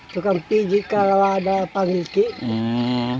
tukang pijit kalau ada panggilan